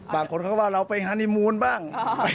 บางคนเขาว่าเราไปฮานีมูลบ้าง